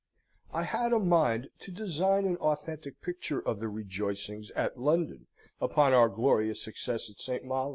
I had a mind to design an authentic picture of the rejoicings at London upon our glorious success at St. Malo.